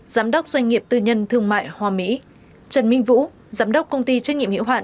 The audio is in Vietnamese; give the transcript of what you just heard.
giám đốc doanh nghiệp tư nhân thương mại hoa mỹ trần minh vũ giám đốc công ty trách nhiệm hiệu hạn